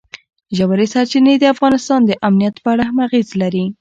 ژورې سرچینې د افغانستان د امنیت په اړه هم اغېز لري.